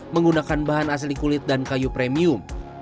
menggunakan bahan asli kulit dan kayu premium